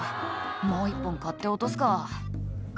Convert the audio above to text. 「もう１本買って落とすか」